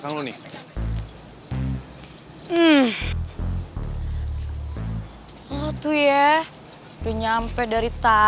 bagaimana perbedaan kita